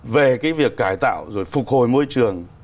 về cái việc cải tạo rồi phục hồi môi trường